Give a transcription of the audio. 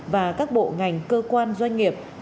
và các bộ ngành cơ quan doanh nghiệp